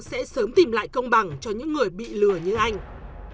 sẽ sớm tìm lại công bằng cho những người bị lừa như anh